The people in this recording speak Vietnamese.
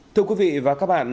thưa quý vị và các bạn